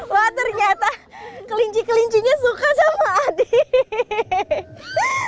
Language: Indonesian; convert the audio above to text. wah ternyata kelinci kelincinya suka sama adik